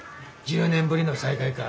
１０年ぶりの再会か。